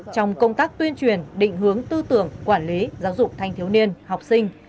trong công tác tuyên truyền định hướng tư tưởng quản lý giáo dục thanh thiếu niên học sinh